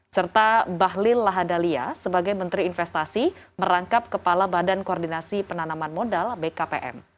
serta bahlil lahadalia sebagai menteri investasi merangkap kepala badan koordinasi penanaman modal bkpm